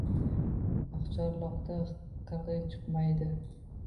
Oqcharloqdan qirg‘iy chiqmaydi